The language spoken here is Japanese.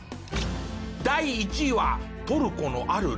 第１位はトルコのある歴史家。